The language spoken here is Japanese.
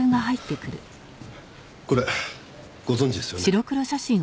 これご存じですよね？